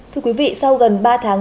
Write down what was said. thưa quý vị sau gần ba tháng